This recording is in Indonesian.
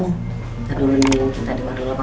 kita dulu nih kita di mana lupa